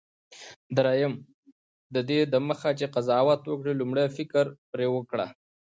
دریم: ددې دمخه چي قضاوت وکړې، لومړی فکر پر وکړه.